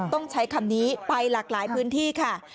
ต้องใช้คำนี้ไปหลากหลายพื้นที่ค่ะ